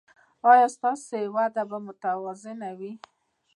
ایا ستاسو وده به متوازنه وي؟